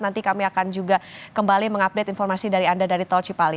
nanti kami akan juga kembali mengupdate informasi dari anda dari tol cipali